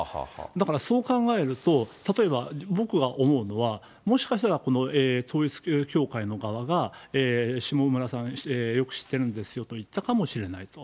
だから、そう考えると、例えば僕が思うのは、もしかしたらこの統一教会の側が、下村さん、よく知ってるんですよと言ったかもしれないと。